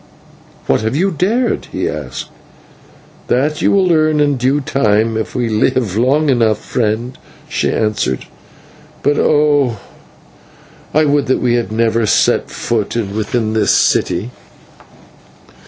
"What have you dared?" he asked. "That you will learn in due time, if we live long enough, friend," she answered, "but, oh! I would that we had never set foot within this city."